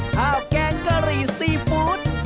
ข้าวแกงกะหรี่ซีฟู้ด